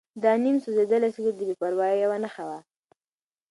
دا نیم سوځېدلی سګرټ د بې پروایۍ یوه نښه وه.